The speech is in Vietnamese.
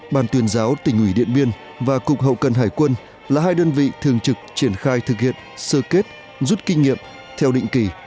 bàn tuyên giáo tỉnh ủy điện biên và cục hậu cần hải quân là hai đơn vị thường trực triển khai thực hiện sơ kết rút kinh nghiệm theo định kỳ